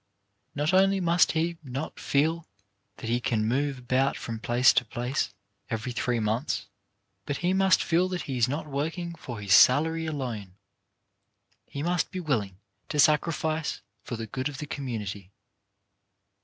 Not only must he not feel that he can move about from place to place every three months, but he must feel that he is not working for his salary alone. He must be willing to sacrifice for the good of the commu nity.